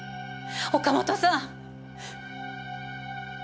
岡本さん！